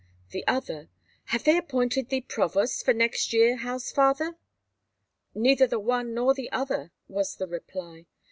the other, "Have they appointed thee Provost for next year, house father?" "Neither the one nor the other," was the reply.